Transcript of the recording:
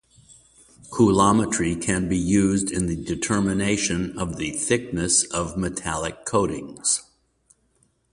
Coulometry can be used in the determination of the thickness of metallic coatings.